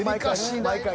毎回。